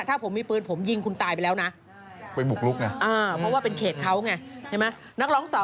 ถ้าผมมีปืนผมยิงคุณตายไปแล้วน้า